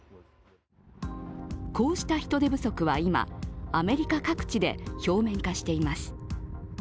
こうした人手不足は今、アメリカ各地で表面化しています。